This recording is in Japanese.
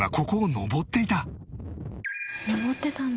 「上ってたんだ」